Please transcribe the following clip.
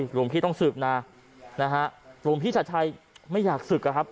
หลวงพี่ต้องสืบนะนะฮะหลวงพี่ชัดชัยไม่อยากศึกอะครับ